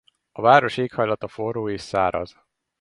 A város éghajlata forró és száraz.